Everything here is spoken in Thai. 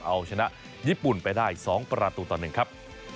เอาชนะญี่ปุ่นไปได้๒ประตูต่อ๑ครับ